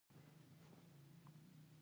يوه ورځ مې د گاونډي زوى وليد.